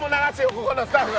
ここのスタッフ。